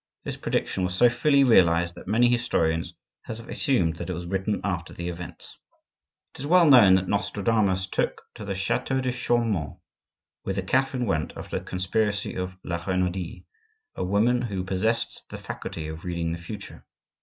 This prediction was so fully realized that many historians have assumed that it was written after the events. It is well known that Nostradamus took to the chateau de Chaumont, whither Catherine went after the conspiracy of La Renaudie, a woman who possessed the faculty of reading the future.